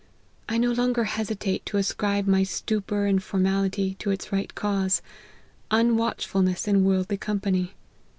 I no longer hesitate to ascribe my stupor and formality, to its right cause : unwatchfulness in worldly company.